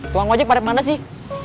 tuan ngajek pada kemana sih